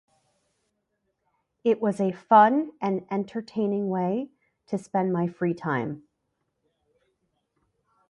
It was a fun and entertaining way to spend my free time.